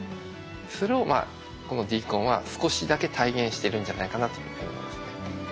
それをこのＤＣＯＮは少しだけ体現してるんじゃないかなというふうに思いますね。